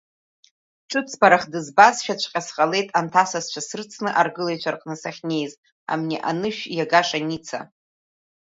Ҿыцбарах дызбазшәаҵәҟьа сҟалеит анҭ асасцәа срыцны аргылаҩцәа рҟны сахьнеиз, амни анышә иагаша Ница.